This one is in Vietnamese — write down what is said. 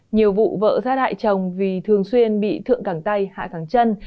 nhiều vụ vợ sát hại chồng vì thường xuyên bị thượng cẳng tay hạ cánh chân